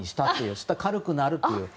そうしたら軽くなるという。